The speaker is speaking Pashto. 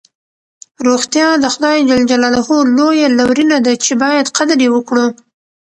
روغتیا د خدای ج لویه لورینه ده چې باید قدر یې وکړو.